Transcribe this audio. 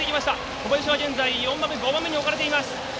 小林、現在４番目、５番目に置かれています。